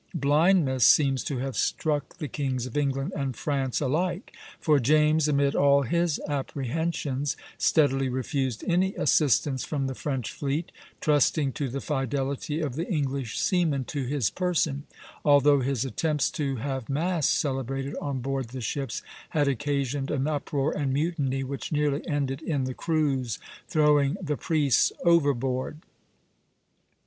Blindness seems to have struck the kings of England and France alike; for James, amid all his apprehensions, steadily refused any assistance from the French fleet, trusting to the fidelity of the English seamen to his person, although his attempts to have Mass celebrated on board the ships had occasioned an uproar and mutiny which nearly ended in the crews throwing the priests overboard.